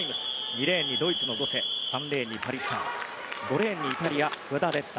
２レーンにドイツのゴセ３レーンにパリスター５レーンにイタリアクアダレッラ。